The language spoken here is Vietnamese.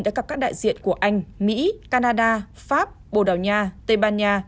đã gặp các đại diện của anh mỹ canada pháp bồ đào nha tây ban nha